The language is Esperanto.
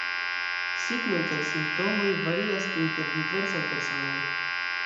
Signoj kaj simptomoj varias inter diversaj personoj.